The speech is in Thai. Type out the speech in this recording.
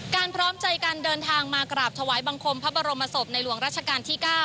พร้อมใจการเดินทางมากราบถวายบังคมพระบรมศพในหลวงรัชกาลที่๙